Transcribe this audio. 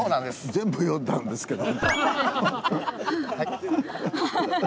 全部読んだんですけど。